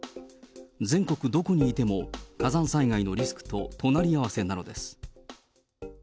全国どこにいても、火山災害のリスクと隣合わせなのです。